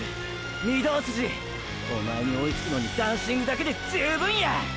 御堂筋おまえに追いつくのにダンシングだけで十分や！！